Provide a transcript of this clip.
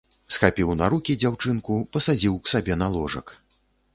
Схапіў на рукі дзяўчынку, пасадзіў к сабе на ложак.